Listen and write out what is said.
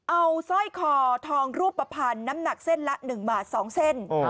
เอาสร้อยคอทองรูปภัณฑ์น้ำหนักเส้นละ๑บาท๒เส้น